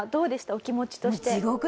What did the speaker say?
お気持ちとして。